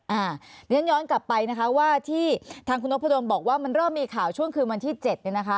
อันนี้ฉันย้อนกลับไปนะคะว่าที่ทางคุณนพดมบอกว่ามันเริ่มมีข่าวช่วงคืนวันที่๗เนี่ยนะคะ